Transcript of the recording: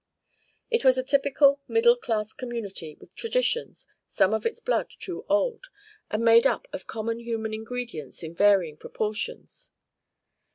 It was a typical middle class community with traditions, some of its blood too old, and made up of common human ingredients in varying proportions.